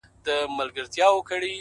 • مه راته وايه چي د کار خبري ډي ښې دي؛